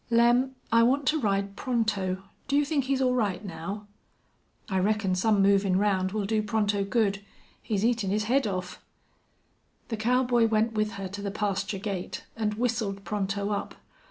"Lem, I want to ride Pronto. Do you think he's all right, now?" "I reckon some movin' round will do Pronto good. He's eatin' his haid off." The cowboy went with her to the pasture gate and whistled Pronto up.